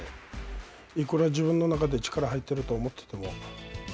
いくら自分の中で力が入ってると思ってても。